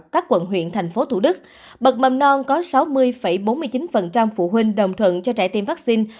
các quận huyện tp hcm bật mầm non có sáu mươi bốn mươi chín phụ huynh đồng thuận cho trẻ tiêm vaccine